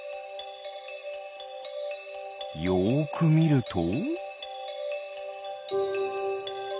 よくみると？